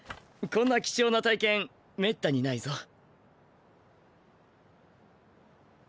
こんな貴重な体験めったにないぞ！